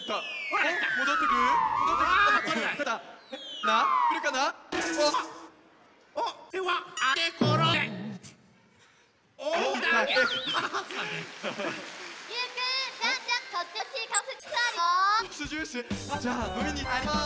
いってきます。